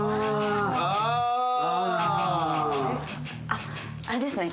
あっあれですね。